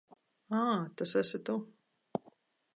Ā, tas esi tu.